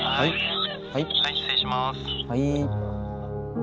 はい。